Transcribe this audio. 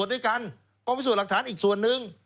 อืม